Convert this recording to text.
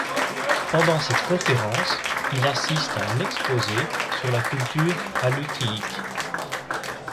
Pendant cette conférence, il assiste à un exposé sur la culture Alutiiq.